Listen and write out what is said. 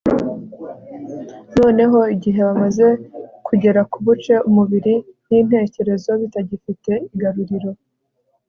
noneho igihe bamaze kugera ku buce, umubiri n'intekerezo bitagifite igaruriro